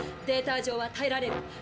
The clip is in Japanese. データ上はたえられる。